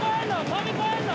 飛び越えんの？